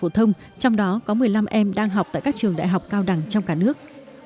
trong đó có một mươi năm em đang học tại các trường đại học cao đẳng trong cả nước